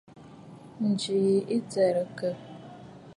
Ǹjì yì ɨ jɛrɨkə.